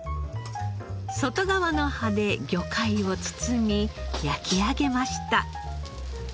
外側の葉で魚介を包み焼き上げました。